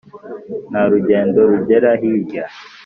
Nta rugendo rugera hirya,